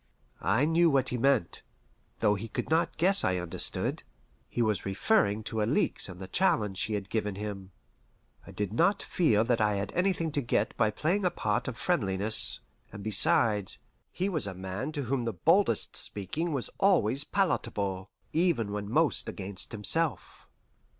I knew what he meant, though he could not guess I understood. He was referring to Alixe and the challenge she had given him. I did not feel that I had anything to get by playing a part of friendliness, and besides, he was a man to whom the boldest speaking was always palatable, even when most against himself.